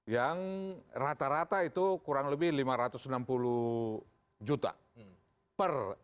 yang rata rata itu kurang lebih lima ratus enam puluh juta per